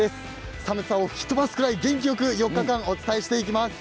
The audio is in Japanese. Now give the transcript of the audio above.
寒さを吹き飛ばすぐらい元気よく４日間、お伝えしてまいります。